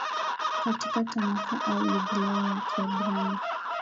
katika Tanakh au Biblia ya Kiebrania